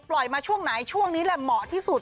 มาช่วงไหนช่วงนี้แหละเหมาะที่สุด